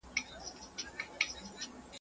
o دوې پښې په يوه پايڅه کي نه ځائېږي.